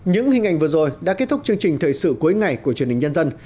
những hình ảnh vừa rồi đã kết thúc chương trình thời sự cuối ngày của truyền hình nhân dân